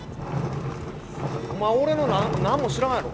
お前俺の何も知らんやろ！